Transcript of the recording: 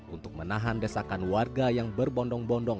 untuk menahan desakan warga yang berbondong bondong